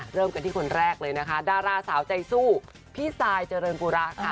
เริ่มกันที่คนแรกเลยนะคะดาราสาวใจสู้พี่ซายเจริญปุระค่ะ